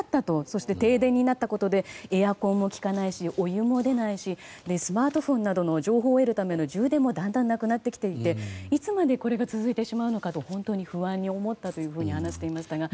そして停電になったことでエアコンも効かないしお湯も出ないしスマートフォンなどの情報を得るための充電もだんだん、なくなってきていていつまでこれが続いてしまうのかと本当に不安に思ったと話していましたが。